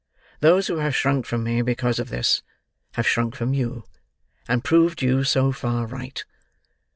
Those who have shrunk from me because of this, have shrunk from you, and proved you so far right.